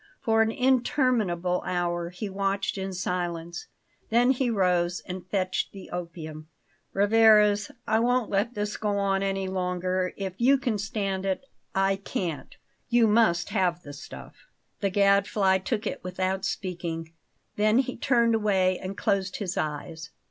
For an interminable hour he watched in silence; then he rose and fetched the opium. "Rivarez, I won't let this go on any longer; if you can stand it, I can't. You must have the stuff." The Gadfly took it without speaking. Then he turned away and closed his eyes.